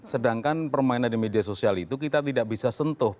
sedangkan permainan di media sosial itu kita tidak bisa sentuh